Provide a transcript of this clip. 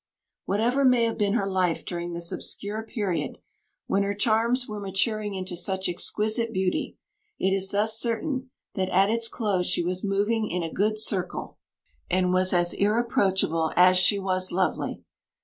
Whatever may have been her life during this obscure period, when her charms were maturing into such exquisite beauty, it is thus certain that at its close she was moving in a good circle, and was as irreproachable as she was lovely.